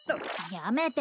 やめて。